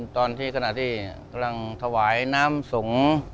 ตอนที่ขณะที่กำลังถวายน้ำสงฆ์